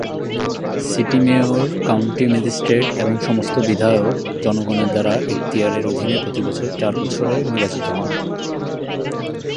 City mayor, county magistrate এবং সমস্ত বিধায়ক জনগণের দ্বারা এখতিয়ারের অধীনে প্রতি চার বছরে নির্বাচিত হন।